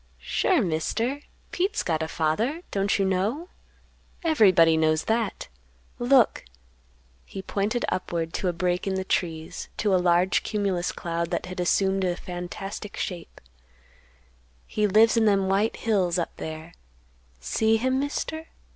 "Sure, Mister, Pete's got a father; don't you know? Everybody knows that. Look!" He pointed upward to a break in the trees, to a large cumulus cloud that had assumed a fantastic shape. "He lives in them white hills, up there. See him, Mister?